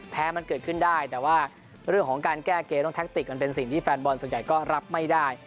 แพ้มันเกิดขึ้นได้แต่ว่าเรื่องของการแก้เกมน้องแท็กติกมันเป็นสิ่งที่แฟนบอลส่วนใหญ่ก็รับไม่ได้